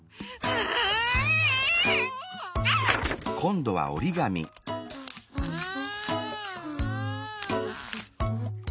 うん？